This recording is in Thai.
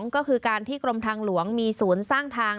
ก็คือการที่กรมทางหลวงมีศูนย์สร้างทาง